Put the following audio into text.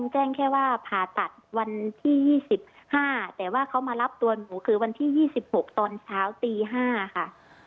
แจ้งแค่ว่าผ่าตัดวันที่๒๕แต่ว่าเขามารับตัวหนูคือวันที่๒๖ตอนเช้าตี๕ค่ะ